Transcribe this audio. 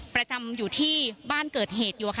ประจำอยู่ที่บ้านเกิดเหตุอยู่